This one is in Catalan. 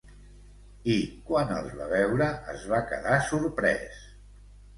I quan els va veure es va quedar sorprès.